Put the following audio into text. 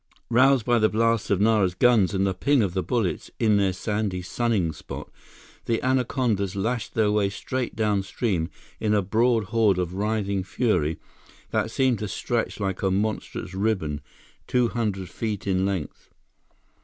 Roused by the blasts of Nara's guns and the ping of the bullets in their sandy sunning spot, the anacondas lashed their way straight downstream in a broad horde of writhing fury that seemed to stretch like a monstrous ribbon, two hundred feet in length.